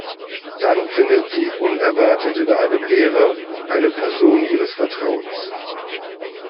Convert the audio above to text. Dann findet sie unerwartet in einem Lehrer eine Person ihres Vertrauens.